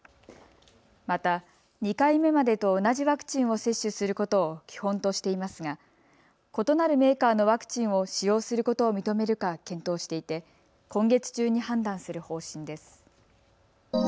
また、２回目までと同じワクチンを接種することを基本としていますが異なるメーカーのワクチンを使用することを認めるか検討していて今月中に判断する方針です。